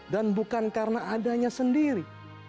dan bukan karena adanya sendiri